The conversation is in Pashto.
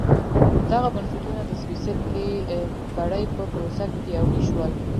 دغه بنسټونه د سپېڅلې کړۍ په پروسه کې پیاوړي شول.